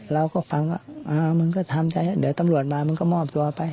เราก็ฟังว่ามึงก็ทำใจเดี๋ยวตำรวจมามึงก็มอบตัวไป